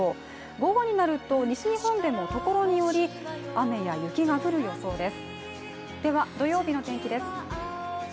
午後になると西日本でも所により雨や雪が降る予想です。